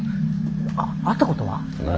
あっ会ったことは？ない。